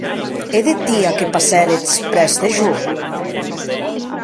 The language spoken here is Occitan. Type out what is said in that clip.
E deth dia que passéretz près de jo?